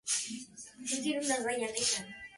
Su capital es la homónima Briansk.